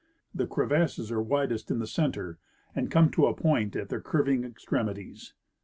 The crevasses are widest in the center and come to a point at their curving ex tremities.